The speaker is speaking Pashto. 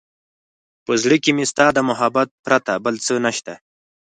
په زړه کې مې ستا د محبت پرته بل څه نشته.